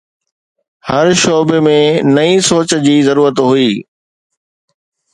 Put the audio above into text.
هر شعبي ۾ نئين سوچ جي ضرورت هئي.